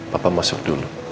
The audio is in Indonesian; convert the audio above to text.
papa masuk dulu